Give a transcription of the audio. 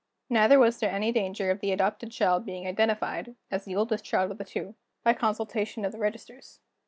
Neither was there any danger of the adopted child being identified (as the oldest child of the two) by consultation of the registers.